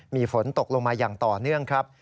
มีฝนตกลงมาอย่างต่อเนื่องครับ